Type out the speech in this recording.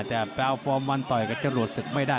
แต่แปลว่าฟอร์มวันต่อยกับเจ้าหลวดศึกไม่ได้